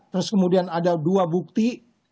terus kemudian ada dua bukti